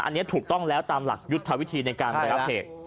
อันนี้ถูกต้องแล้วตามหลักยุทธวิธีในการระงับเหตุ